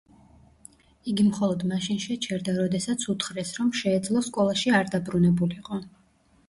იგი მხოლოდ მაშინ შეჩერდა, როდესაც უთხრეს, რომ შეეძლო სკოლაში არ დაბრუნებულიყო.